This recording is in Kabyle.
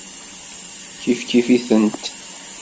Kifkif-itent.